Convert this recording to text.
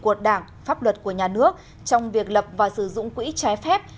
của đảng pháp luật của nhà nước trong việc lập và sử dụng quỹ trái phép